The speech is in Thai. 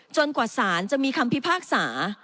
กว่าสารจะมีคำพิพากษา